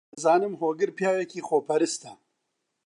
دەزانم هۆگر پیاوێکی خۆپەرستە.